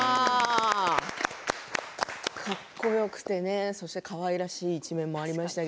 かっこよくてかわいらしい一面もありました。